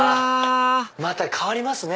また変わりますね！